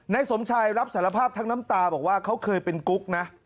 สมชายรับสารภาพทั้งน้ำตาบอกว่าเขาเคยเป็นกุ๊กนะ